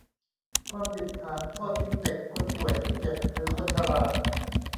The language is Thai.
ความผิดฐานทอดทิ้งเด็ก คนป่วยเจ็บ หรือคนชรา